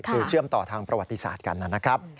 คือเชื่อมต่อทางประวัติศาสตร์กันนะครับ